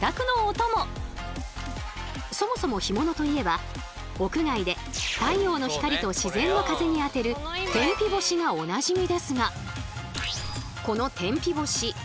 そもそも干物といえば屋外で太陽の光と自然の風に当てる天日干しがおなじみですが。